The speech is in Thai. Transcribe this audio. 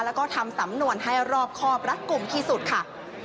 แล้วก็ทำสำนวนให้รอบครอบรัดกลุ่มที่สุดค่ะ